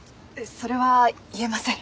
それは言えません。